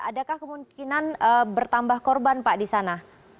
adakah kemungkinan bertambah korban pak di sana